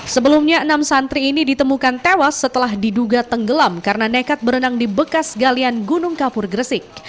sebelumnya enam santri ini ditemukan tewas setelah diduga tenggelam karena nekat berenang di bekas galian gunung kapur gresik